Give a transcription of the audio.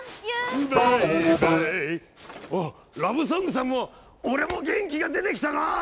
あラブソングさんも俺も元気が出てきたなぁ！